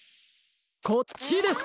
こっちです！